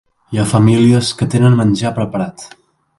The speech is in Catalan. Hi ha famílies que tenen menjar preparat.